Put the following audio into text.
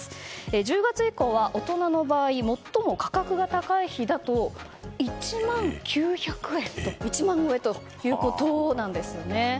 １０月以降は大人の場合最も価格が高い日だと１万９００円と１万円超えということなんですね。